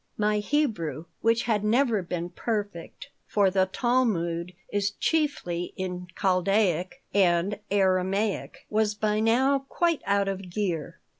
My Hebrew, which had never been perfect (for the Talmud is chiefly in Chaldaic and Aramaic), was by now quite out of gear.